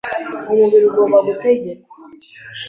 Umubiri ugomba gutegekwa